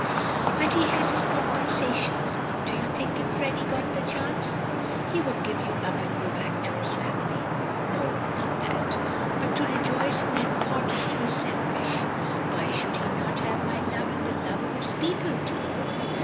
"But he has his compensations. Do you think if Freddy got the chance, he would give you up and go back to his family?" "No not that. But to rejoice in that thought is to be selfish. Why should he not have my love and the love of his people too?